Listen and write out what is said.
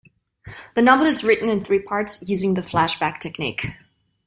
The novel is written in three parts, using the flashback technique.